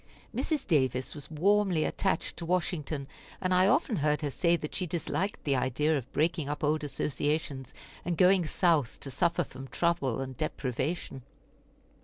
Mrs. Davis was warmly attached to Washington, and I often heard her say that she disliked the idea of breaking up old associations, and going South to suffer from trouble and deprivation.